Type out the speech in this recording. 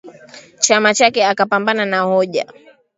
chama chake akapambana na hoja